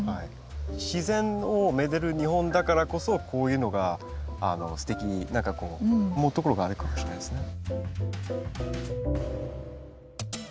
自然をめでる日本だからこそこういうのがすてきに思うところがあるかもしれないですね。